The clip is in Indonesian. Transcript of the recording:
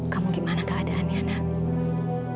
kamu gimana keadaannya nak